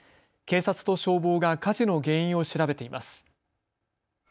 警察と消防が火事の原因を調べています。